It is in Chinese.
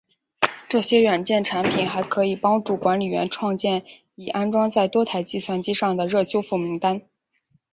这些软件产品还可帮助管理员创建已安装在多台计算机上的热修复名单。